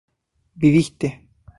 viviste